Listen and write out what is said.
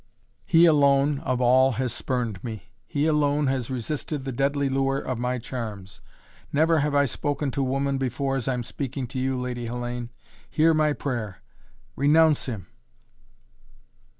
He alone of all has spurned me he alone has resisted the deadly lure of my charms. Never have I spoken to woman before as I am speaking to you, Lady Hellayne. Hear my prayer! Renounce him!"